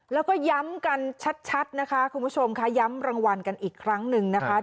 แล้วก็ย้ำกันชัดนะคะคุณผู้ชมค่ะย้ำรางวัลกันอีกครั้งหนึ่งนะคะ